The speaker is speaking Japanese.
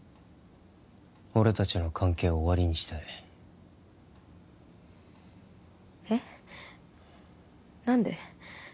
俺達の関係を終わりにしたいえっ何で？